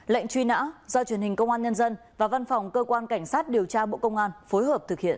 lệnh truy nã do truyền hình công an nhân dân và văn phòng cơ quan cảnh sát điều tra bộ công an phối hợp thực hiện